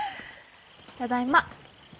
ただいま。